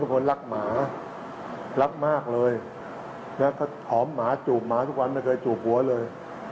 มีคนใจดีก็ตัดสินใจนั่งรถจากหมอชิตจะไปขอนแก่น